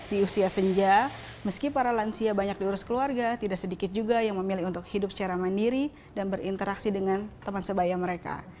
di usia senja meski para lansia banyak diurus keluarga tidak sedikit juga yang memilih untuk hidup secara mandiri dan berinteraksi dengan teman sebaya mereka